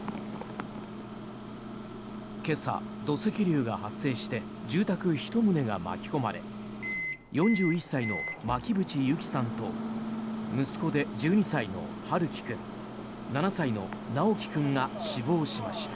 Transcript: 今朝、土石流が発生して住宅１棟が巻き込まれ４１歳の巻渕友希さんと息子で１２歳の春樹君７歳の尚煌君が死亡しました。